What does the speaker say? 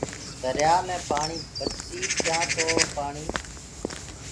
دريآ مي پآڻي بچسي ڪيآنٚ پآڻيٚ تو